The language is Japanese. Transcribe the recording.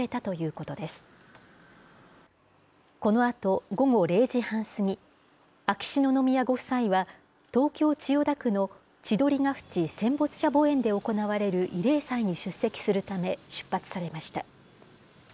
このあと午後０時半過ぎ、秋篠宮ご夫妻は、東京・千代田区の千鳥ヶ淵戦没者墓苑で行われる慰霊祭に出席するため、出発されました。